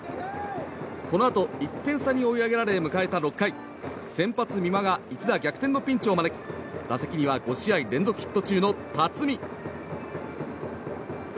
このあと１点差に追い上げられ迎えた６回先発、美馬が一打逆転のピンチを招き打席には５試合連続ヒット中の辰己。